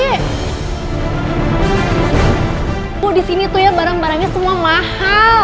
ibu disini tuh ya barang barangnya semua mahal